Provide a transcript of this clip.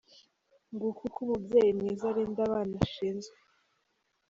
Nguko uko umubyeyi mwiza arinda abana ashinzwe !.